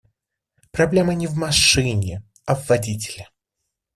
Проблема не в машине, а в водителе.